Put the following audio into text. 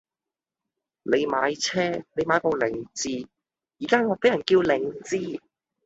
你買車!你買部凌志，而家我俾人叫零智!